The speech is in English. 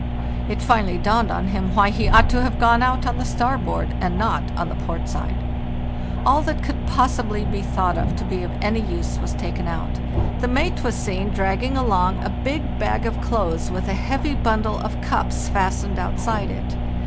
It finally dawned on him why he ought to have gone out on the starboard and not on the port side. " All that could possibly be thought to be of any use was taken out. The mate was seen dragging along a big bag of clothes with a heavy bundle of cups fastened outside it.